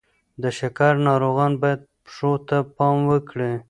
د شکر ناروغان باید پښو ته پام وکړي.